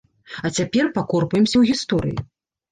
А цяпер пакорпаемся ў гісторыі.